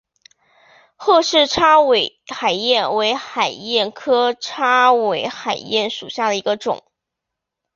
褐翅叉尾海燕为海燕科叉尾海燕属下的一个种。